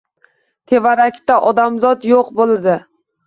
Tevaraqda odamzot yo‘q bo‘ldi.